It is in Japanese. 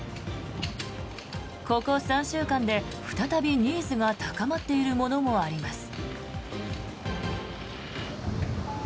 ここ３週間で再びニーズが高まっているものもあります。